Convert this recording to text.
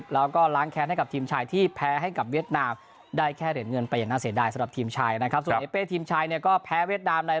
แล้วก็ล้างแค้นให้กับทีมชายที่แพ้ให้กับเวียดนาม